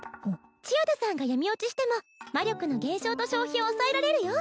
千代田さんが闇堕ちしても魔力の減少と消費を抑えられるよ